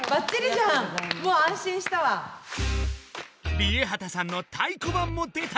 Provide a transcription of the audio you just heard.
ＲＩＥＨＡＴＡさんのたいこばんも出た！